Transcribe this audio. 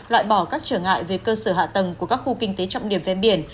loại bỏ các trở ngại về cơ sở hạ tầng của các khu kinh tế trọng điểm ven biển